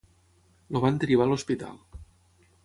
El van derivar a l'hospital.